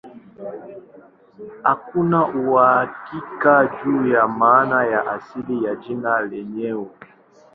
Hakuna uhakika juu ya maana ya asili ya jina lenyewe.